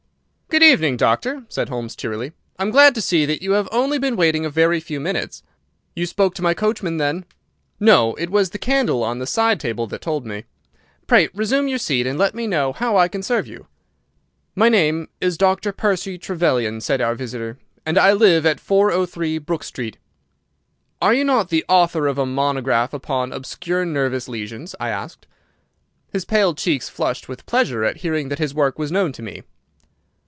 "Good evening, doctor," said Holmes, cheerily. "I am glad to see that you have only been waiting a very few minutes." "You spoke to my coachman, then?" "No, it was the candle on the side table that told me. Pray resume your seat and let me know how I can serve you." "My name is Doctor Percy Trevelyan," said our visitor, "and I live at 403, Brook Street." "Are you not the author of a monograph upon obscure nervous lesions?" I asked. His pale cheeks flushed with pleasure at hearing that his work was known to me.